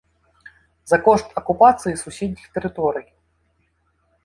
За кошт акупацыі суседніх тэрыторый.